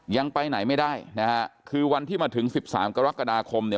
ยังไปไหนไม่ได้นะฮะคือวันที่มาถึงสิบสามกรกฎาคมเนี่ย